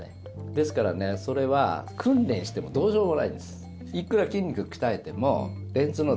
ですからね、それは訓練してもどうしようもないんです。